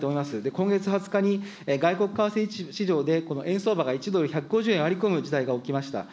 今月２０日に、外国為替市場で、円相場が１ドル１５０円を割り込む事態が起きました。